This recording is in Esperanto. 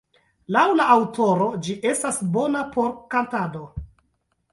Laŭ la aŭtoro, ĝi estas bona por kantado.